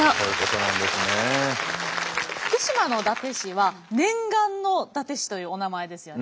福島の伊達市は念願の伊達市というお名前ですよね。